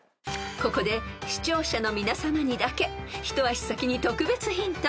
［ここで視聴者の皆さまにだけ一足先に特別ヒント］